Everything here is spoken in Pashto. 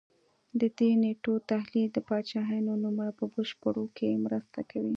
د دې نېټو تحلیل د پاچاهانو نوملړ په بشپړولو کې مرسته کوي